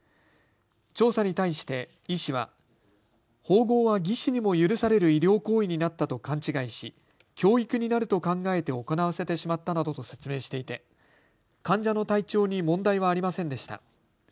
調査に対して医師は縫合は技士にも許される医療行為になったと勘違いし教育になると考えて行わせてしまったなどと説明していて患者の体調に問題はありませんでした。